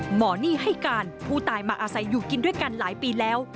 หนี้ให้การผู้ตายมาอาศัยอยู่กินด้วยกันหลายปีแล้ว